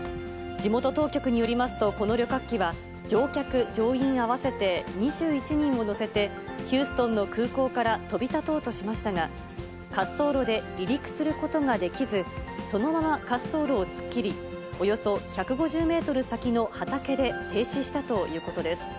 地元当局によりますと、この旅客機は、乗客・乗員合わせて２１人を乗せて、ヒューストンの空港から飛び立とうとしましたが、滑走路で離陸することができず、そのまま滑走路を突っ切り、およそ１５０メートル先の畑で停止したということです。